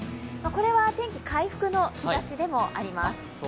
これは天気回復の兆しでもあります。